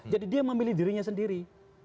jadi dia memilih dirinya sendiri